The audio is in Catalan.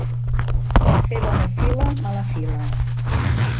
Fer bona fila, mala fila.